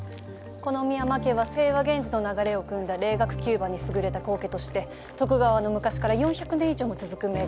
この深山家は清和源氏の流れをくんだ礼学弓馬に優れた高家として徳川の昔から４００年以上も続く名家。